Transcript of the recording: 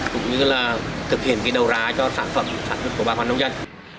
cũng như là thực hiện cái đầu ra cho sản phẩm sản xuất của bà con